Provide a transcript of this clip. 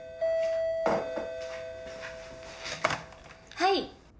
はい。